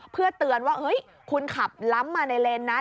เพื่อเตือนว่าเฮ้ยคุณขับล้ำมาในเลนนั้น